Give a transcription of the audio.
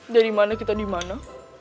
dari mana kita dimana